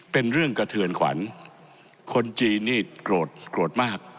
เป็นเรื่องกระเทือนขวัญคนจีนนี่โกรธโกรธมาก